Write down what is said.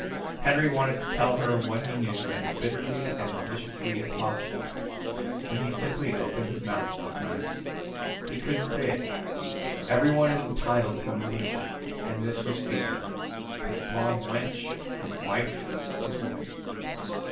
Henry wanted to tell her what he knew as bitterly and maliciously as possible, but he simply opened his mouth a few times. He couldn't say it. Everyone is entitled to an illusion and this was Phoebe, his blonde wench, his wife, his woman.